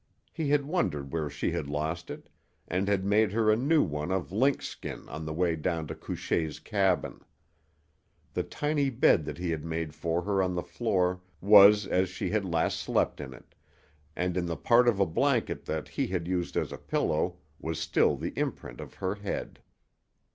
He had wondered where she had lost it, and had made her a new one of lynx skin on the way down to Couchée's cabin. The tiny bed that he had made for her on the floor was as she had last slept in it, and in the part of a blanket that he had used as a pillow was still the imprint of her head.